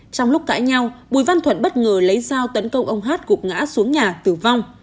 trong lúc cãi nhau bùi văn thuận bất ngờ lấy dao tấn công ông hát gục ngã xuống nhà tử vong